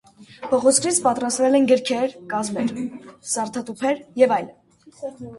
Փղոսկրից պատրաստվել են գրքերի կազմեր, զարդատուփեր և այլն։